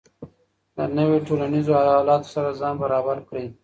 د نویو ټولنیزو حالاتو سره ځان برابر کړئ.